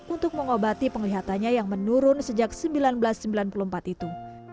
untuk mengobati penglihatannya yang menurun sejak seribu sembilan ratus sembilan puluh empat itu